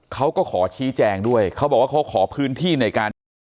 เขาก็ขอชี้แจงด้วยเขาบอกว่าเขาขอพื้นที่ในการตรวจสอบ